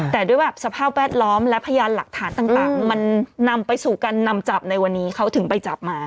แต่ด้วยแบบสภาพแวดล้อมและพยานหลักฐานต่างมันนำไปสู่การนำจับในวันนี้เขาถึงไปจับมา